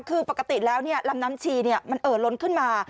คือปกติแล้วเนี่ยลำน้ำชีเนี่ยมันเอ่อล้นขึ้นมา